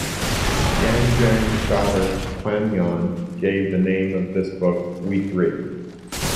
Yang Jiang's daughter Qian Yuan gave the name of this book "We Three".